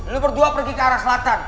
lo berdua pergi ke arah selatan